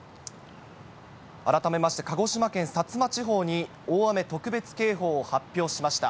改めまして、鹿児島県薩摩地方に大雨特別警報を発表しました。